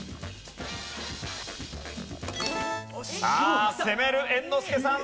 さあ攻める猿之助さん。